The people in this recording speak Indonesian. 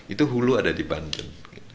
itu hulu ada di banten